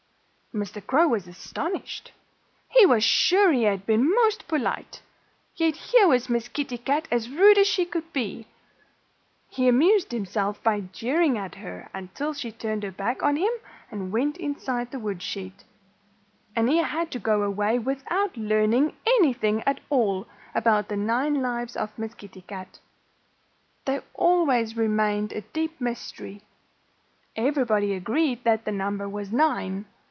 Mr. Crow was astonished. He was sure he had been most polite. Yet here was Miss Kitty Cat as rude as she could be! He amused himself by jeering at her until she turned her back on him and went inside the woodshed. And he had to go away without learning anything at all about the nine lives of Miss Kitty Cat. They always remained a deep mystery. Everybody agreed that the number was nine.